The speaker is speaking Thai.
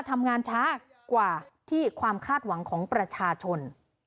ทำงานช้ากว่าที่ความคาดหวังของประชาชน